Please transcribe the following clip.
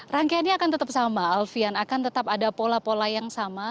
rangkaiannya akan tetap sama alfian akan tetap ada pola pola yang sama